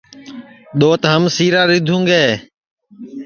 دؔوت ہم سِیرا رِیدھُوں گے